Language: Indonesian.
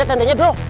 ada tandanya bro